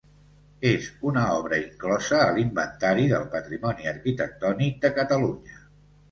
ÉS una obra inclosa a l'Inventari del Patrimoni Arquitectònic de Catalunya.